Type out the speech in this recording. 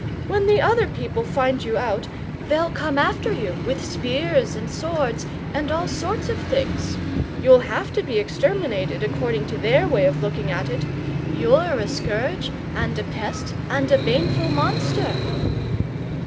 When the other people find you out, they'll come after you with spears and swords and all sorts of things. You'll have to be exterminated, according to their way of looking at it! You're a scourge, and a pest, and a baneful monster!"